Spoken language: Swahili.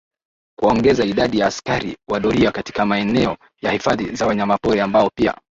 Kuongeza idadi ya askari wa doria katika maeneo ya hifadhi za wanyamapori ambao pia